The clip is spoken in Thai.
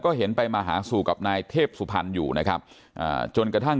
เขาก็ไปแบบบางข้างก็เห็นเขาอยู่หน้านะครับ